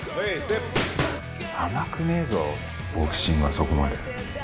甘くねえぞボクシングはそこまで。